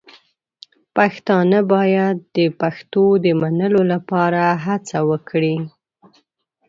پښتانه باید د پښتو د منلو لپاره هڅه وکړي.